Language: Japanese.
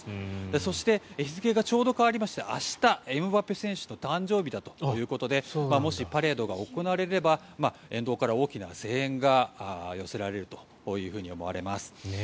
そして、日付がちょうど変わりまして、明日エムバペ選手の誕生日だということでもしパレードが行われれば沿道から大きな声援が寄せられると思います。